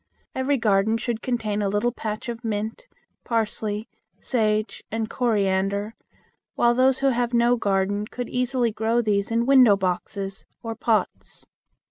Every garden should contain a little patch of mint, parsley, sage, coriander, while those who have no garden could easily grow these in window boxes or pots.